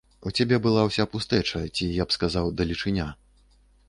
У цябе была ўся пустэча, ці, я б сказаў, далечыня.